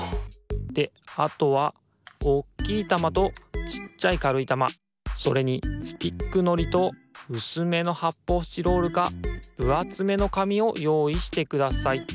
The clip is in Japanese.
であとはおっきいたまとちっちゃいかるいたまそれにスティックのりとうすめのはっぽうスチロールかぶあつめのかみをよういしてください。